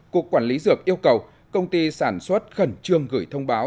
cục quản lý dược yêu cầu công ty sản xuất khẩn trương gửi thông báo